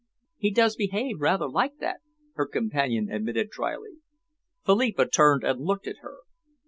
"He does behave rather like that," her companion admitted drily. Phillipa turned and looked at her.